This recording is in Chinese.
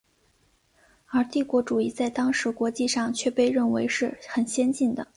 而帝国主义在当时国际上却被认为是很先进的。